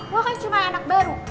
gue kan cuma anak baru